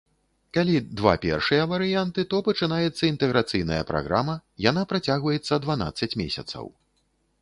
Калі два першыя варыянты, то пачынаецца інтэграцыйная праграма, яна працягваецца дванаццаць месяцаў.